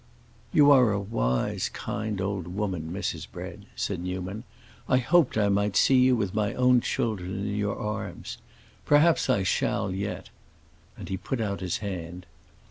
"You are a wise, kind old woman, Mrs. Bread," said Newman. "I hoped I might see you with my own children in your arms. Perhaps I shall, yet." And he put out his hand.